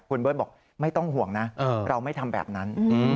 คุณเบิร์ตบอกไม่ต้องห่วงนะเราไม่ทำแบบนั้น